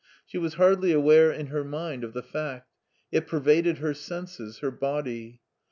She was hardly aware in her mind of the fact : it pervaded her senses, her body.